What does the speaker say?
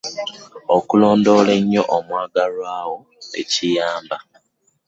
Okulondoola ennyo omwagalwa wo tekiyamba.